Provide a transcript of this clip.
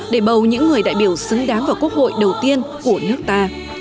để bầu những người đại biểu xứng đáng vào quốc hội đầu tiên của nước ta